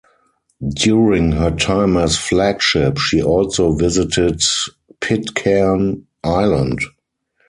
During her time as flagship she also visited Pitcairn Island.